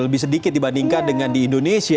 lebih sedikit dibandingkan dengan di indonesia